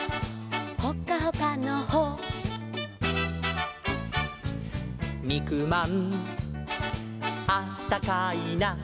「ほっかほかのほ」「にくまんあったかいな」